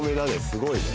すごいね。